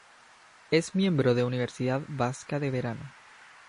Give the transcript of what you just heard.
Es miembro de Universidad Vasca de Verano.